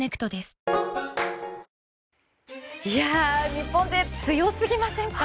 日本勢、強すぎませんか？